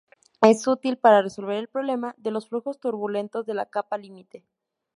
Es útil para resolver el problema de los flujos turbulentos de la capa límite.